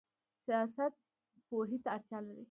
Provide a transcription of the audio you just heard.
سیاست پوهې ته اړتیا لري